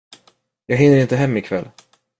Jag hinner inte hem ikväll.